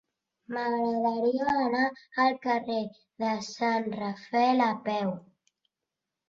M'agradaria anar al carrer de Sant Rafael a peu.